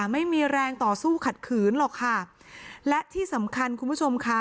ไม่มีแรงต่อสู้ขัดขืนหรอกค่ะและที่สำคัญคุณผู้ชมค่ะ